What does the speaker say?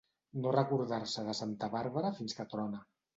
No recordar-se de Santa Bàrbara fins que trona.